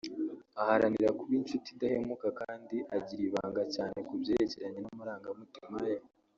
aharanira kuba inshuti idahemuka kandi agira ibanga cyane ku byerekeranye n’amarangamutima ye